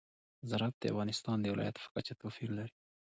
زراعت د افغانستان د ولایاتو په کچه توپیر لري.